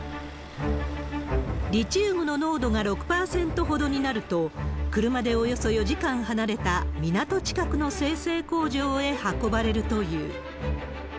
リチウムの濃度が６％ほどになると、車でおよそ４時間離れた港近くの精製工場へ運ばれるという。